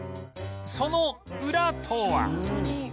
そのウラとは？